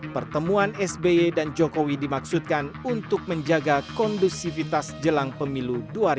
pertemuan sby dan jokowi dimaksudkan untuk menjaga kondusivitas jelang pemilu dua ribu dua puluh